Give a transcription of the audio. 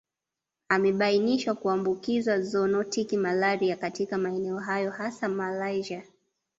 Amebainishwa kuambukiza zoonotic malaria katika maeneo hayo hasa Malaysia